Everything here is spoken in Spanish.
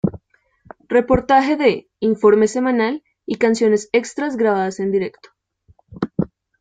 Reportaje de "Informe Semanal" y canciones extra grabadas en directo.